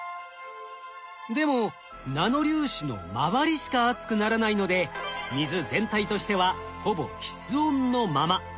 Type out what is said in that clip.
でもナノ粒子の周りしか熱くならないので水全体としてはほぼ室温のまま。